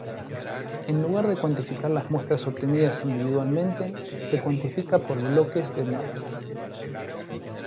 En lugar de cuantificar las muestras obtenidas individualmente, se cuantifica por bloques de muestras.